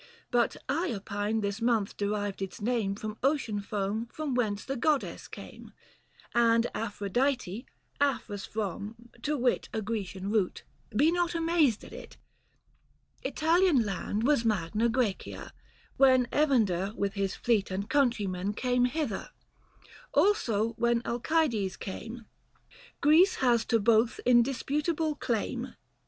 But I opine this month derived its name From ocean foam from whence the goddess came, And Aphrodite, Aphros from — to wit A Grecian root, be not amazed at it. ■ 70 Italian land was Magna G recia, when Evander with his fleet and countrymen Came hither ; also when Alcides came. Greece has to both indisputable claim.